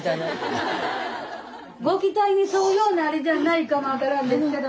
ご期待に添うようなあれじゃないかも分からんですけど